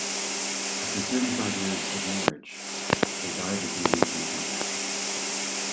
After thirty-five years of marriage they died within a week of each other.